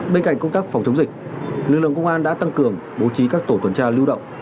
bên cạnh công tác phòng chống dịch lực lượng công an đã tăng cường bố trí các tổ tuần tra lưu động